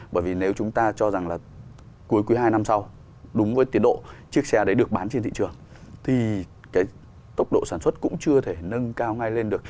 bởi vì nếu chúng ta cho rằng là cuối quý hai năm sau đúng với tiến độ chiếc xe đấy được bán trên thị trường thì cái tốc độ sản xuất cũng chưa thể nâng cao ngay lên được